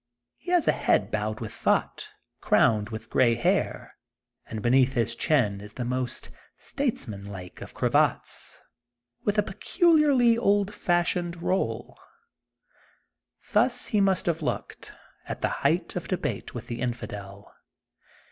He has a head bowed with thought, crowned with grey hair, and beneath his chin is the most states manlike of cravats, with a peculiarly old fashioned roll. Thus he must have looked, at the height of debate with the infidel.